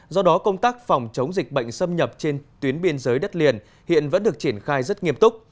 do đó công tác phòng chống dịch bệnh xâm nhập trên tuyến biên giới đất liền hiện vẫn được triển khai rất nghiêm túc